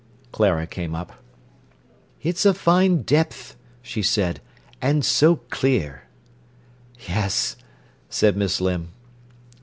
Clara came up. "It's a fine depth," she said, "and so clear." "Yes," said Miss Limb.